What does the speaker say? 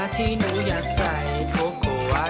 เตรียมตัวครับ